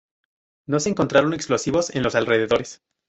No se encontraron explosivos en los alrededores.